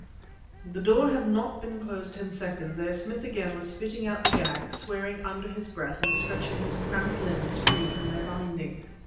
The door had not been closed ten seconds, ere Smith again was spitting out the gag, swearing under his breath, and stretching his cramped limbs free from their binding.